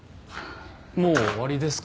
もう終わりですか？